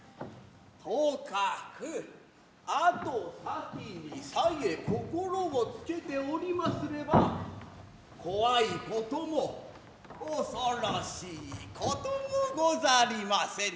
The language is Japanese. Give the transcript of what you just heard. とかく後先にさえ心を付けておりますれば怖いことも恐ろしいこともござりませぬ。